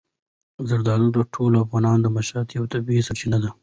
زردالو د ټولو افغانانو د معیشت یوه طبیعي سرچینه ده.